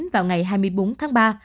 vào ngày hai mươi bốn tháng ba